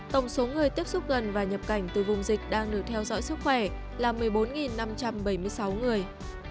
tổng số người tiếp xúc gần và nhập cảnh từ vùng dịch đang được theo dõi sức khỏe là một mươi bốn năm trăm bảy mươi sáu người